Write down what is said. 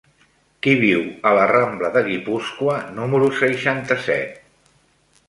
Qui viu a la rambla de Guipúscoa número seixanta-set?